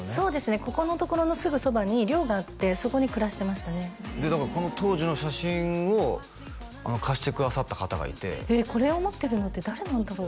ここのところのすぐそばに寮があってそこに暮らしてましたねだからこの当時の写真を貸してくださった方がいてこれを持ってるのって誰なんだろう？